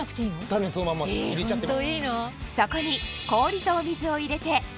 種そのまま入れちゃってます。